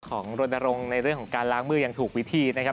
รณรงค์ในเรื่องของการล้างมืออย่างถูกวิธีนะครับ